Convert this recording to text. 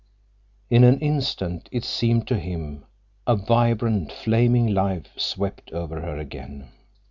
In an instant, it seemed to him, a vibrant, flaming life swept over her again.